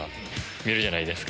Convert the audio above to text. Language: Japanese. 見るじゃないですか。